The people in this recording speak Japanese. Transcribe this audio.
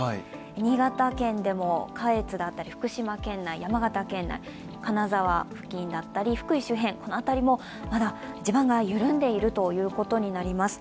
新潟県でも下越だったり福島県内、山形県内、金沢付近だったり、福井周辺この辺りもまだ地盤が緩んでいるということになります。